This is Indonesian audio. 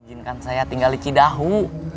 dijinkan saya tinggal lici dahu